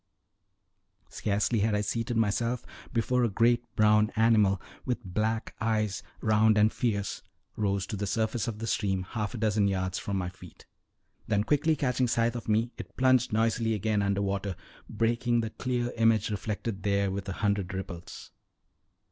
Scarcely had I seated myself before a great brown animal, with black eyes, round and fierce, rose to the surface of the stream half a dozen yards from my feet; then quickly catching sight of me, it plunged noisily again under water, breaking the clear image reflected there with a hundred ripples.